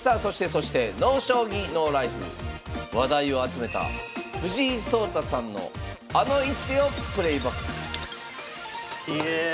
そして「ＮＯ将棋ＮＯＬＩＦＥ」話題を集めた藤井聡太さんのあの一手をプレーバックひえ